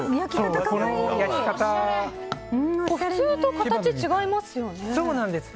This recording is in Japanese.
普通と形が違いますよね。